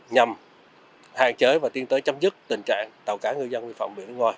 nhằm hạn chế và tiến tới chấm dứt tình trạng tàu cá ngư dân vi phạm